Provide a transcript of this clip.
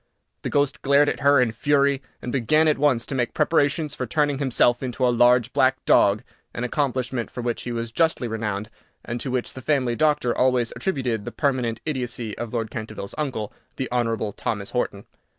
The ghost glared at her in fury, and began at once to make preparations for turning himself into a large black dog, an accomplishment for which he was justly renowned, and to which the family doctor always attributed the permanent idiocy of Lord Canterville's uncle, the Hon. Thomas Horton.